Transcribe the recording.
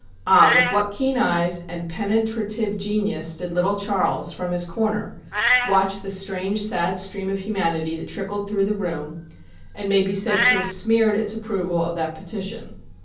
(Ah, with what keen eyes and penetrative genius did little Charles, from his corner, watch the strange sad stream of humanity that trickled through the room, and may be said to have smeared its approval of that petition!)